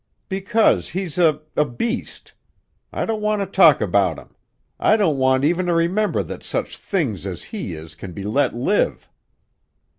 "Because he's a a beast! I don't want to talk about him! I don't want even to remember that such things as he is can be let live!"